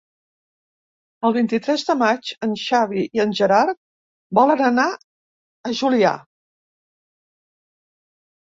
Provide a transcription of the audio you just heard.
El vint-i-tres de maig en Xavi i en Gerard volen anar a Juià.